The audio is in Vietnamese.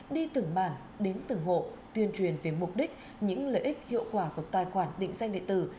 đi từng bản đến từng hộ tuyên truyền về mục đích những lợi ích hiệu quả của tài khoản định danh địa tử